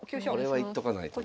これはいっとかないとね。